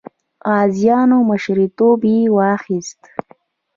غازیانو مشرتوب یې واخیست.